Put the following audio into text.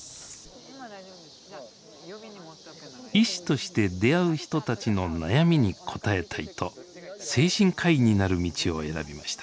医師として出会う人たちの悩みに応えたいと精神科医になる道を選びました。